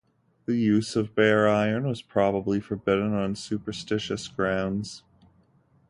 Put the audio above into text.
The use of bare iron was probably forbidden on superstitious grounds.